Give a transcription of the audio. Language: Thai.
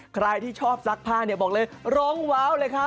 ใครที่ชอบซักผ้าเนี่ยบอกเลยร้องว้าวเลยครับ